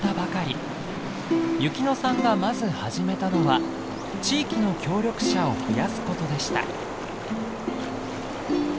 由希乃さんがまず始めたのは地域の協力者を増やす事でした。